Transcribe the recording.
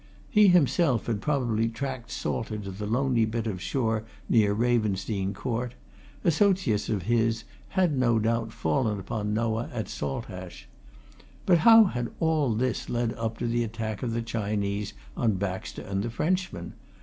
He himself had probably tracked Salter to the lonely bit of shore near Ravensdene Court; associates of his had no doubt fallen upon Noah at Saltash. But how had all this led up to the attack of the Chinese on Baxter and the Frenchman?